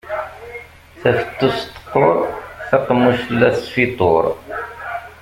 Tafettust teqqur, taqemmuct la tesfituṛ.